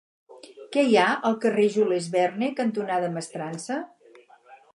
Què hi ha al carrer Jules Verne cantonada Mestrança?